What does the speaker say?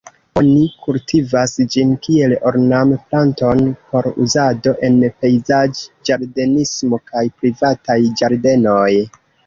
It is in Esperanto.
Oni kultivas ĝin kiel ornam-planton por uzado en pejzaĝ-ĝardenismo kaj privataj ĝardenoj.